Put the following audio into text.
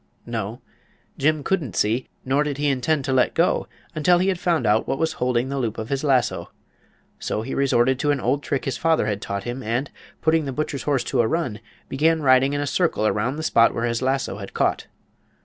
No, Jim couldn't see, nor did he intend to let go until he found out what was holding the loop of the lasso. So he resorted to an old trick his father had taught him and, putting the butcher's horse to a run, began riding in a circle around the spot where his lasso had caught.